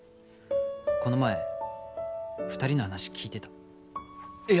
この前２人の話聞いてたいや